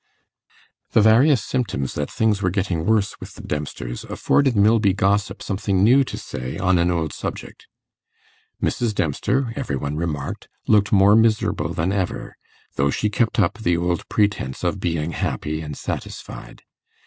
The various symptoms that things were getting worse with the Dempsters afforded Milby gossip something new to say on an old subject. Mrs. Dempster, every one remarked, looked more miserable than ever, though she kept up the old pretence of being happy and satisfied.